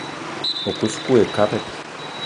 O kous kou ayi kabdi.